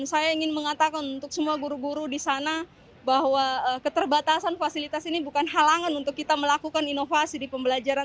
saya ingin mengatakan untuk semua guru guru di sana bahwa keterbatasan fasilitas ini bukan halangan untuk kita melakukan inovasi di pembelajaran